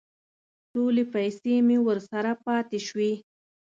ټولې پیسې مې ورسره پاتې شوې.